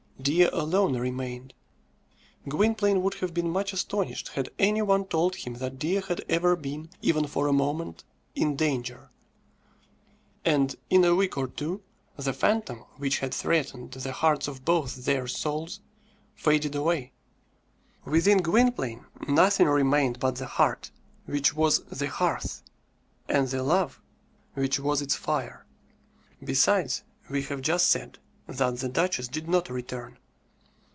Dea alone remained. Gwynplaine would have been much astonished had any one told him that Dea had ever been, even for a moment, in danger; and in a week or two the phantom which had threatened the hearts of both their souls faded away. Within Gwynplaine nothing remained but the heart, which was the hearth, and the love, which was its fire. Besides, we have just said that "the duchess" did not return.